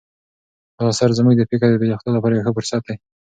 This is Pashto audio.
دا اثر زموږ د فکر د پراختیا لپاره یو ښه فرصت دی.